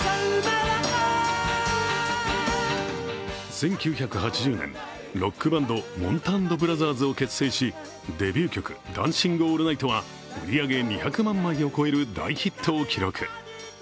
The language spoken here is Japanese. １９８０年、ロックバンドもんた＆ブラザーズを結成し、デビュー曲「ダンシング・オールナイト」は売り上げ２００万枚を超える大ヒットを記録。